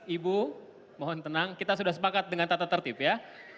ibu mohon tenang kita sudah sepakat dengan tata tertib ya